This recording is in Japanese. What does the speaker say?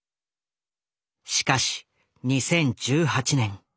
しかし２０１８年。